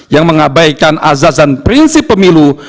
yang mengabaikan azaz dan prinsip pemilu